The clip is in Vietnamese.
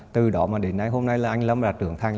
từ đó mà đến nay hôm nay là anh lâm đã trưởng thành